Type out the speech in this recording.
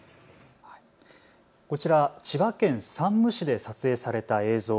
こちら、千葉県山武市で撮影された映像。